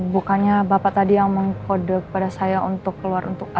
bukannya bapak tadi yang mengkode kepada saya untuk keluar untuk ke rumah